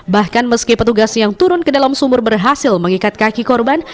bahkan meski petugas yang turun ke dalam sumur berhasil mengikat kaki korban